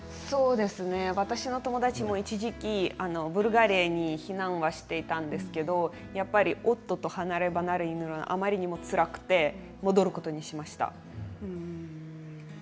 私の友達も一時期ブルガリアに避難していたんですけど夫と離れ離れになるのがあまりにもつらくて戻ることにしました。